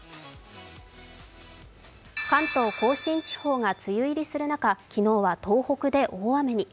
関東甲信地方が梅雨入りする中、昨日は東北で大雨に。